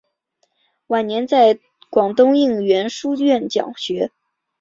晚年在广东应元书院讲学。